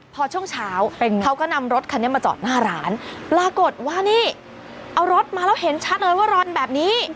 พอช่วงเช้าเขาก็นำรถคันนี้มาจอดหน้าร้านปรากฏว่านี่เอารถมาแล้วเห็นชัดเลยว่ารอนแบบนี้